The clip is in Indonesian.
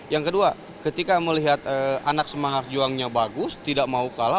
yang kedua ketika melihat anak semangat juangnya bagus tidak mau kalah